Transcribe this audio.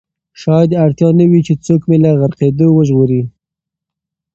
شاید اړتیا نه وي چې څوک مې له غرقېدو وژغوري.